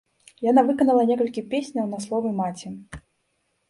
Яна выканала некалькі песняў на словы маці.